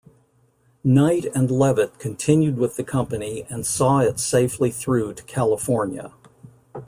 Knight and Leavitt continued with the company and saw it safely through to California.